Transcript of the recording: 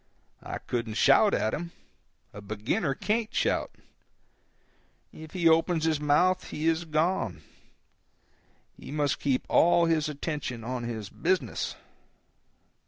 I couldn't shout at him—a beginner can't shout; if he opens his mouth he is gone; he must keep all his attention on his business.